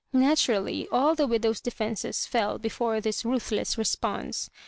Naturally all the widow^s defences fell before this ruthless re sponse.